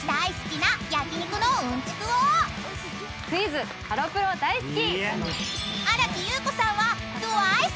クイズハロプロ大好き！